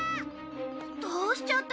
どうしちゃったの？